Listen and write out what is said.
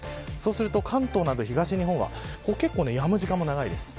関東などの東日本はやむ時間も長いです。